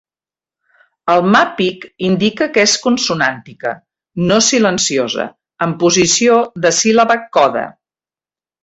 El "mappiq" indica que és consonàntica, no silenciosa, en posició de síl·laba-coda.